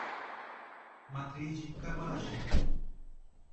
Matriz de Camaragibe